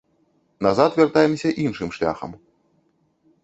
Назад вяртаемся іншым шляхам.